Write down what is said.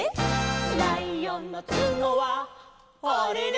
「ライオンのつのはあれれ」